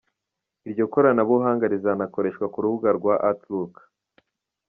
Iryo koranabuhanga rizanakoreshwa ku rubuga rwa Outlook.